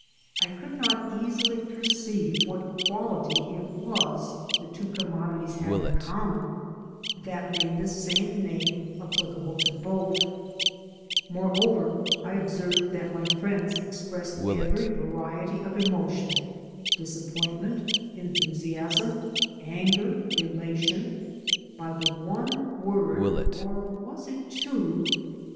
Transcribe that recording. I could not easily perceive what quality it was the two commodities had in common that THE AMERICAN AS HE IS made the same name applicable to both. Moreover, I observed that my friends expressed every variety of emotion — disappointment, enthusiasm, anger, elation — by the one word (or was it two?)